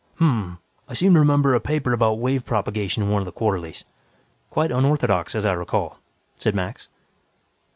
"Hm m m. I seem to remember a paper about wave propagation in one of the quarterlies. Quite unorthodox, as I recall," said Max.